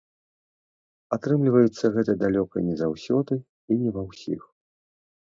Атрымліваецца гэта далёка не заўсёды і не ва ўсіх.